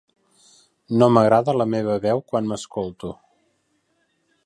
No m'agrada la meva veu quan m'escolto.